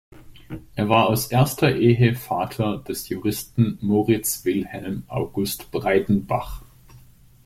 Er war aus erster Ehe Vater des Juristen Moritz Wilhelm August Breidenbach.